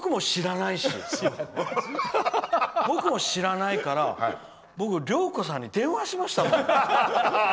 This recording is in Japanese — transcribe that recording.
僕も知らないから僕、良子さんに電話しましたもん。